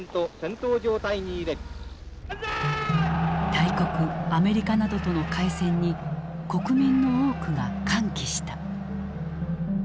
大国アメリカなどとの開戦に国民の多くが歓喜した。